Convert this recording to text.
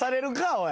おい。